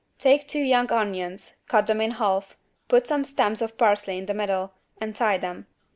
Take two young onions, cut them in half, put some stems of parsley in the middle and tie them.